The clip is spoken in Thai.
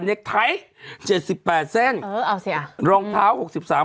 เด็กไทยเจ็ดสิบแปดเส้นเออเอาสิอ่ะรองเท้าหกสิบสาม